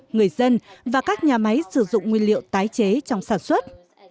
người dân và các nhà máy sử dụng nguyên liệu tái chế trong sản xuất